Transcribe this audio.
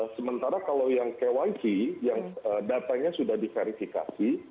sementara kalau yang kyc yang datanya sudah di verifikasi